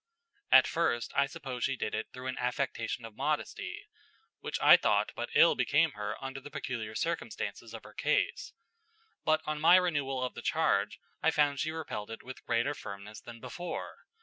At first I supposed she did it through an affectation of modesty, which I thought but ill became her under the peculiar circumstances of her case, but on my renewal of the charge I found she repelled it with greater firmness than before.